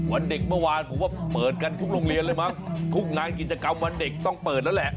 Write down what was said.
วันเด็กเมื่อวานผมว่าเปิดกันทุกโรงเรียนเลยมั้งทุกงานกิจกรรมวันเด็กต้องเปิดแล้วแหละ